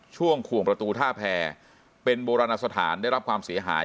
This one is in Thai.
ขวงประตูท่าแพรเป็นโบราณสถานได้รับความเสียหาย